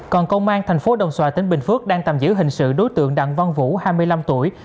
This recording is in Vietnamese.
còn công an thành phố đồng xoài tỉnh bình phước đang tạm giữ hình sự đối tượng đặng văn vũ hai mươi năm tuổi